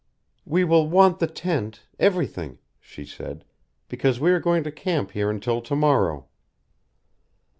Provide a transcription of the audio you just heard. "We will want the tent everything," she said, "because we are going to camp here until to morrow."